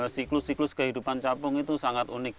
siklus siklus kehidupan capung itu sangat unik